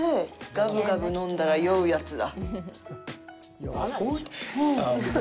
がぶがぶ飲んだら酔うやつだ。